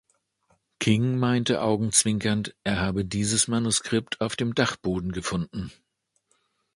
King meinte augenzwinkernd, er habe dieses Manuskript auf dem Dachboden gefunden.